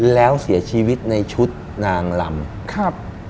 แล้วเสียชีวิตในชุดนางลำครับ